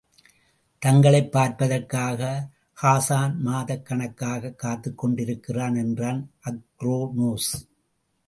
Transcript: தங்களைப் பார்ப்பதற்காக ஹாசான் மாதக் கணக்காக காத்துக் கொண்டிருக்கிறான் என்றான் அக்ரோனோஸ்.